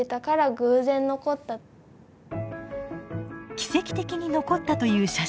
奇跡的に残ったという写真。